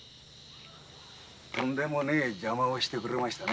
とんでもねぇ邪魔をしてくれましたね。